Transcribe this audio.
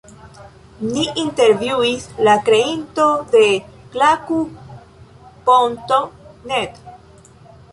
Ni intervjuis la kreinton de Klaku.net.